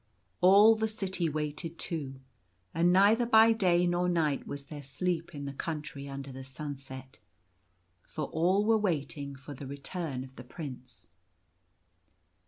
All the city waited too ; and neither by day nor night was there sleep in the Country Under the Sunset, for all were waiting for the return of the Prince.